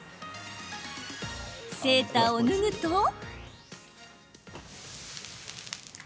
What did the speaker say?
セーターを脱ぐと。